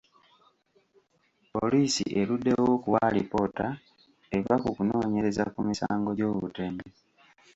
Poliisi eruddewo okuwa alipoota eva ku kunoonyereza ku misango gy'obutemu.